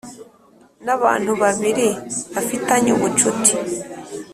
N abantu babiri bafitanye ubucuti